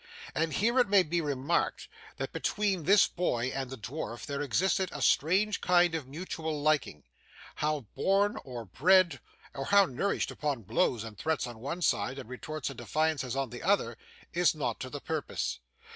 And here it may be remarked, that between this boy and the dwarf there existed a strange kind of mutual liking. How born or bred, and or nourished upon blows and threats on one side, and retorts and defiances on the other, is not to the purpose.